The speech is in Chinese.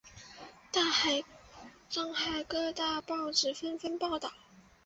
上海各大报纸纷纷报道。